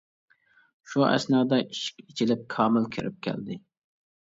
شۇ ئەسنادا ئىشىك ئېچىلىپ كامىل كىرىپ كەلدى.